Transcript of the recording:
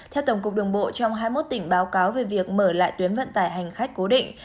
theo tổng cục đường bộ trong hai mươi một tỉnh báo cáo về việc mở lại tuyến vận tải hành khách cố định